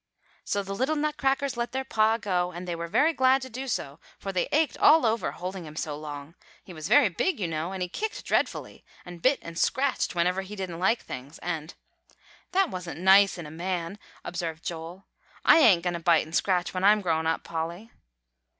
"So the little Nutcrackers let their pa go; and they were very glad to do so, for they ached all over holding him so long, he was very big, you know; and he kicked dreadfully, and bit and scratched, whenever he didn't like things, and" "That wasn't nice in a man," observed Joel; "I ain't going to bite and scratch when I'm grown up, Polly."